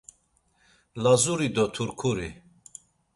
Lazuri do Turkuri?